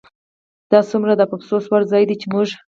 دا څومره د افسوس وړ ځای دی چې موږ